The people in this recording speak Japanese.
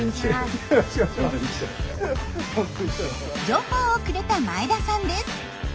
情報をくれた前田さんです。